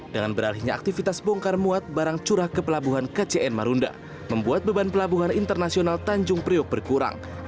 dengan beralihnya aktivitas bongkar muat barang curah ke pelabuhan kcn marunda membuat beban pelabuhan internasional tanjung priok berkurang